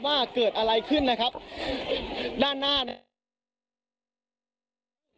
ว่าเกิดอะไรขึ้นนะครับด้านหน้าเนี่ย